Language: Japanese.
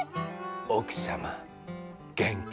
おくさまげんき？